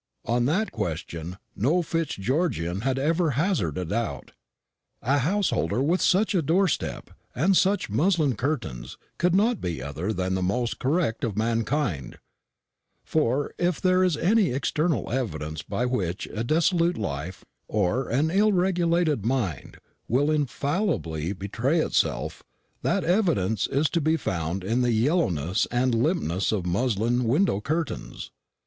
On that question no Fitzgeorgian had ever hazarded a doubt. A householder with such a door step and such muslin curtains could not be other than the most correct of mankind; for, if there is any external evidence by which a dissolute life or an ill regulated mind will infallibly betray itself, that evidence is to be found in the yellowness and limpness of muslin window curtains.